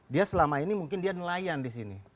dia selama ini mungkin dia nelayan di sini